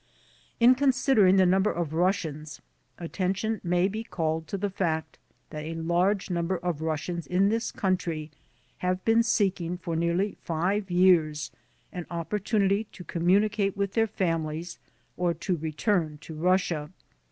* In considering the number of Russians, attention may be called to the fact that a large number of Russians in this country have been seeking for nearly five years an opportunity to communicate with their families or to return to Russia.